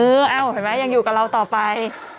เอออ้าวมึงยังอยู่กับเราต่อไป